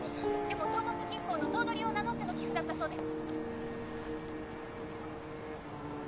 でも東国銀行の頭取を名乗っての寄付だったそうで。